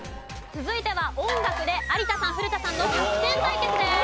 続いては音楽で有田さん古田さんのキャプテン対決です。